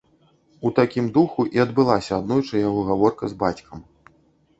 У такім духу і адбылася аднойчы яго гаворка з бацькам.